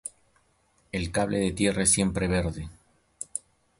El cable de tierra es siempre verde.